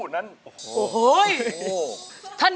สวัสดีครับ